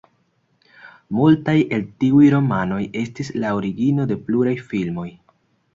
Multaj el tiuj romanoj estis la origino de pluraj filmoj.